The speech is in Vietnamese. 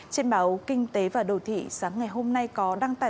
trên báo kinh tế và đầu thị sáng ngày hôm nay có đăng tải